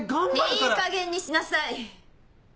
いいかげんにしなさい！